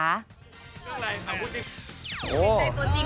เรื่องอะไรถามผู้จริง